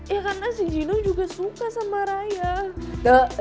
ya karena si gino juga suka sama raya